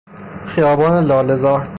خیابان لالهزار